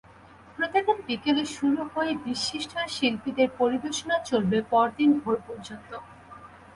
প্রতিদিন বিকেলে শুরু হয়ে বিশিষ্ট শিল্পীদের পরিবেশনা চলবে পরদিন ভোর পর্যন্ত।